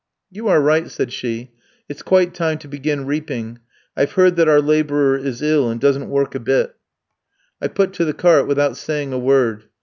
"'You are right,' said she. 'It's quite time to begin reaping. I've heard that our labourer is ill and doesn't work a bit.' "I put to the cart without saying a word.